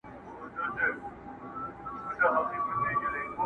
ژوند د وېري سيوري للاندي دی,